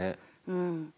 うん。